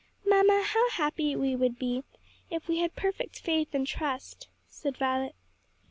"Mamma, how happy we should be if we had perfect faith and trust," said Violet.